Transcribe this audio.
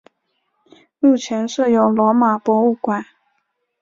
目前设有罗马博物馆。